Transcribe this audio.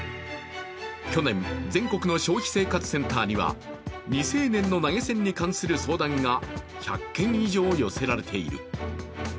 去年、全国の消費生活センターには未成年の投げ銭に関する相談が１００件以上、寄せられている。